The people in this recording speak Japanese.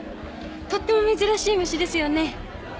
とっても珍しい虫ですよね？